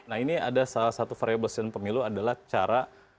nah ini ada salah satu variable sistem pemilu adalah cara